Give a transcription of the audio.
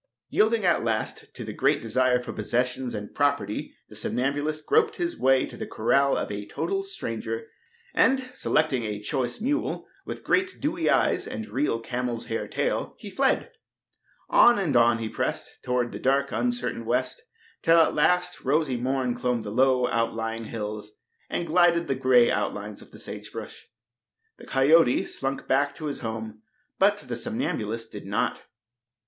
Yielding at last to the great desire for possessions and property the somnambulist groped his way to the corral of a total stranger, and selecting a choice mule with great dewy eyes and real camel's hair tail, he fled. On and on he pressed, toward the dark, uncertain west, till at last rosy morn clomb the low, outlying hills and gilded the gray outlines of the sage brush. The coyote slunk back to his home, but the somnambulist did not.